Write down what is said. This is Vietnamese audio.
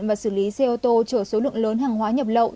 và xử lý xe ô tô chở số lượng lớn hàng hóa nhập lậu